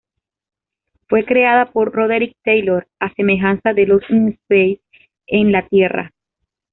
Fue creada por Roderick Taylor a semejanza de "Lost in Space" en la tierra.